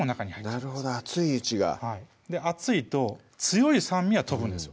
なるほど熱いうちが熱いと強い酸味は飛ぶんですよ